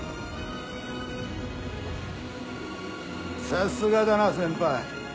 さすがだな先輩。